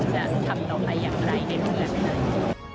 จะทำตรงไหนอย่างไรเรียบร้อย